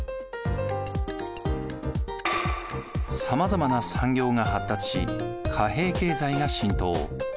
さまざまな産業が発達し貨幣経済が浸透。